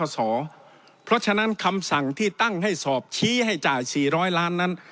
เพราะฉะนั้นคำสั่งที่ตั้งให้สอบชี้ให้จ่าย๔๐๐ล้านนั้น